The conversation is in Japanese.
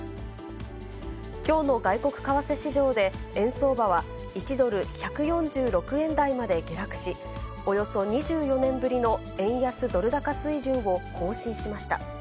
きょうの外国為替市場で、円相場は１ドル１４６円台まで下落し、およそ２４年ぶりの円安ドル高水準を更新しました。